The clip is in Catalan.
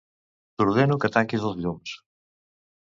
T'ordeno que tanquis els llums.